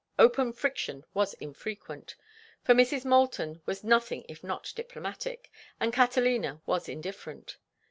Open friction was infrequent, for Mrs. Moulton was nothing if not diplomatic, and Catalina was indifferent.